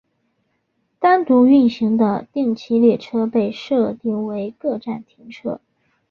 单独运行的定期列车被设定为各站停车。